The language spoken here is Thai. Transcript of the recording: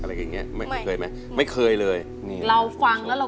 ร้องให้ไป